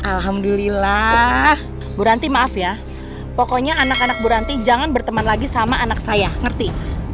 alhamdulillah buranti maaf ya pokoknya anak anak buranti jangan berteman lagi sama anak saya ngerti